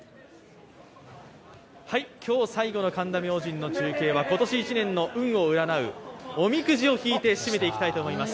今日最後の神田明神の中継は今年１年の運を占う、おみくじを引いて締めていきたいと思います。